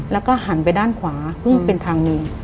แล้วก็หันไปด้านขวาซึ่งเป็นทางหนึ่ง